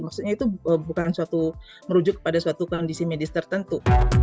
maksudnya itu bukan merujuk kepada suatu kondisi medis tertentu